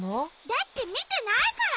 だってみてないから。